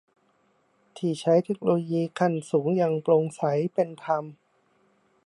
ที่ใช้เทคโนโลยีขั้นสูงอย่างโปร่งใสเป็นธรรม